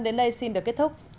đến đây xin được kết thúc